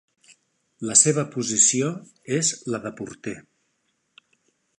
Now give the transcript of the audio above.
La seva posició és la de porter.